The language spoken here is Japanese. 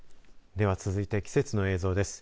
では続いて、季節の映像です。